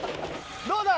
どうだ。